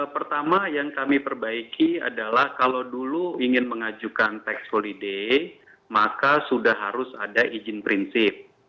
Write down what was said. pertama yang kami perbaiki adalah kalau dulu ingin mengajukan tax holiday maka sudah harus ada izin prinsip